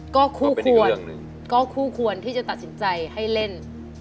ก็คู่ควรที่จะตัดสินใจให้เล่น